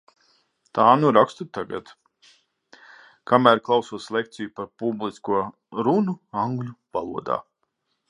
Tā nu rakstu tagad - kamēr klausos lekciju par publisko runu angļu valodā.